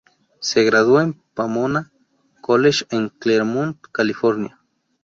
Se graduó en Pomona College en Claremont, California.